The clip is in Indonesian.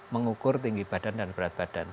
mengukur tinggi badan dan berat badan